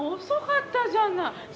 遅かったじゃない。